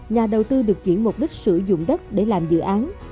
nhà đầu tư được chuyển mục đích sử dụng đất để làm dự án